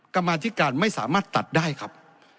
กรรมาธิการไม่สามารถตัดได้ครับ